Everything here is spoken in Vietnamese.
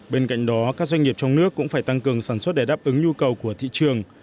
bên cạnh đó các doanh nghiệp trong nước cũng phải tăng cường sản xuất để đáp ứng nhu cầu của thị trường